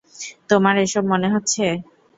তোমার এসব মনে হচ্ছে?